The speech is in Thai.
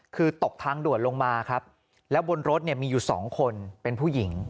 คือตกทางด่วนลงมาครับแล้วบนรถเนี่ยมีอยู่สองคนเป็นผู้หญิง